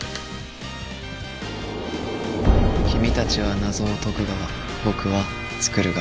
君たちは謎を解く側僕は作る側。